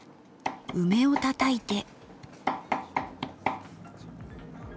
梅をたたいて。